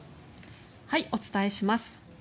お伝えします。